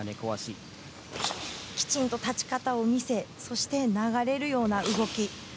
きちんと立ち方を見せそして流れるような動き。